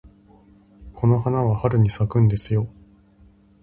この花は春に咲くんですよ。